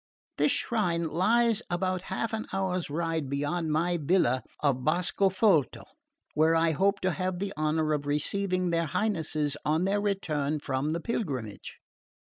This shrine lies about half an hour's ride beyond my villa of Boscofolto, where I hope to have the honour of receiving their Highnesses on their return from the pilgrimage.